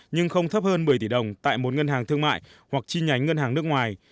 nhưng không thấp hơn một mươi tỷ đồng tại một ngân hàng thương mại hoặc chi nhánh ngân hàng nước ngoài